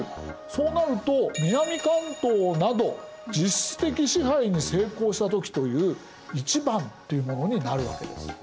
そうなると「南関東など実質的支配に成功したとき」という①というものになるわけです。